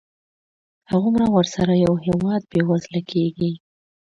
هغومره ورسره یو هېواد بېوزله کېږي.